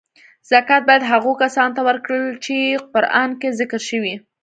زکات باید هغو کسانو ته ورکړل چی قران کې ذکر شوی .